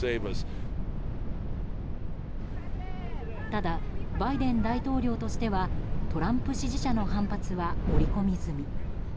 ただ、バイデン大統領としてはトランプ支持者の反発は織り込み済み。